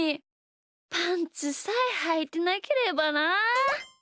パンツさえはいてなければなあ。